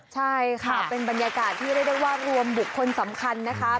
ใช่ค่ะเป็นบรรยากาศที่เรียกได้ว่ารวมบุคคลสำคัญนะคะ